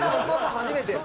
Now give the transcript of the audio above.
初めてや。